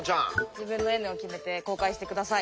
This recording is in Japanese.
自分のＮを決めて公開して下さい。